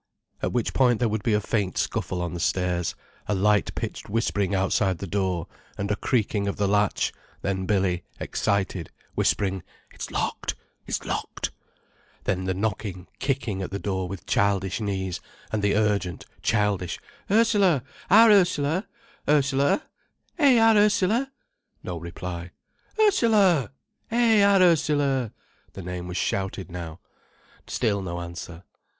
At which point there would be a faint scuffle on the stairs, a light pitched whispering outside the door, and a creaking of the latch: then Billy, excited, whispering: "It's locked—it's locked." Then the knocking, kicking at the door with childish knees, and the urgent, childish: "Ursula—our Ursula? Ursula? Eh, our Ursula?" No reply. "Ursula! Eh—our Ursula?" the name was shouted now. Still no answer.